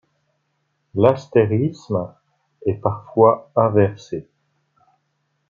L’astérisme est parfois inversé.